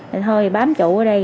thì thôi bám chủ ở đây